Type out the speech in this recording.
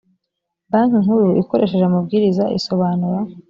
banki nkuru ikoresheje amabwiriza isobanura